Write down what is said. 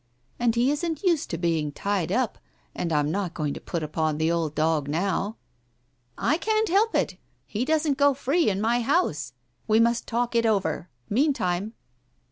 And he isn't used to being tied up, and I'm not going to put upon the old dog now." "I can't help it. He doesn't go free in my house! We must talk it over. Meantime. ..."